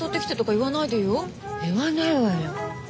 言わないわよ。